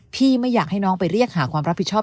ไม่อยากให้น้องไปเรียกหาความรับผิดชอบ